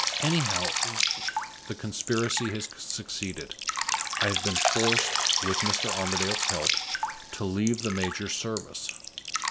Anyhow, the conspiracy has succeeded. I have been forced (with Mr. Armadale's help) to leave the major's service.